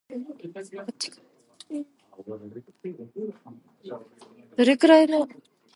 Alternately the individual components may be glued together.